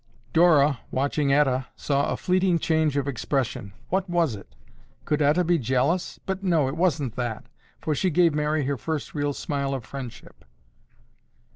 Dora, watching Etta, saw a fleeting change of expression. What was it? Could Etta be jealous? But no, it wasn't that, for she gave Mary her first real smile of friendship.